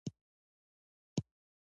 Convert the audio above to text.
کوروش لوی دلته له سخت مقاومت سره مخ شو